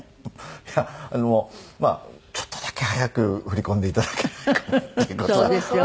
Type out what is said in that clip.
いやあのまあちょっとだけ早く振り込んでいただけないかなという事は。